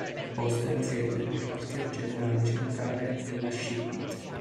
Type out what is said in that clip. Il posto è la sede del quartier generale centrale della Ship-it.